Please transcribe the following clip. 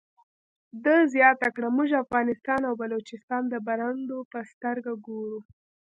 ده زیاته کړه موږ افغانستان او بلوچستان د برنډو په سترګه ګورو.